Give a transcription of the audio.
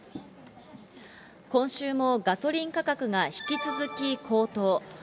今週もガソリン価格が引き続き高騰。